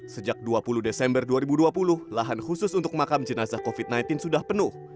sejak dua puluh desember dua ribu dua puluh lahan khusus untuk makam jenazah covid sembilan belas sudah penuh